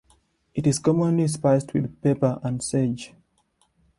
It is commonly spiced with pepper and sage.